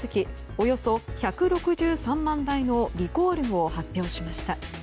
およそ１６３万台のリコールを発表しました。